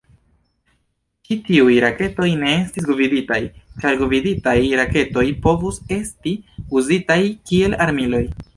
Ĉi tiuj raketoj ne estis gviditaj, ĉar gviditaj raketoj povus esti uzitaj kiel armiloj.